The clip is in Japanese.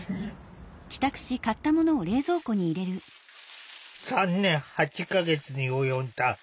３年８か月に及んだ入院生活。